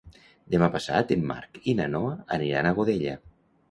Demà passat en Marc i na Noa aniran a Godella.